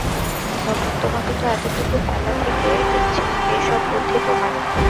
নবীন, তোমাকে তো এতটুকু বেলা থেকে দেখছি, এ-সব বুদ্ধি তোমার নয়।